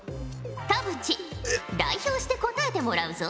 田渕代表して答えてもらうぞ。